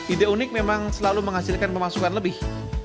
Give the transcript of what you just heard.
ide unik memang selalu menghasilkan pemasukan lebih